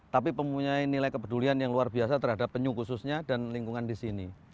tapi mempunyai nilai kepedulian yang luar biasa terhadap penyu khususnya dan lingkungan di sini